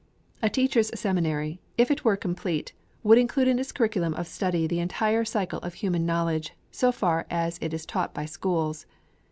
A Teachers' Seminary, if it were complete, would include in its curriculum of study the entire cycle of human knowledge, so far as it is taught by schools.